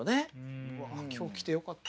わあ今日来てよかった。